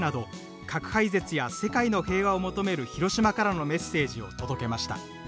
核廃絶や世界の平和を求める広島からのメッセージを届けました。